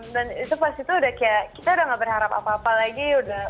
dan itu pas itu udah kayak kita udah gak berharap apa apa lagi